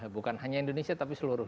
bukan hanya indonesia tapi seluruh